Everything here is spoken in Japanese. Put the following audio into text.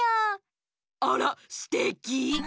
あらすてき！